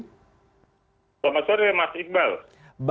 selamat sore mas iqbal